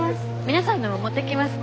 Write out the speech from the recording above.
皆さんのも持ってきます。